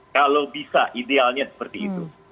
kalau bisa idealnya seperti itu